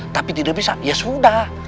tapi tidak bisa ya sudah